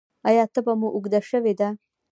ایا تبه مو اوږده شوې ده؟